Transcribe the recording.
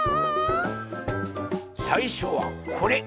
さいしょはこれ。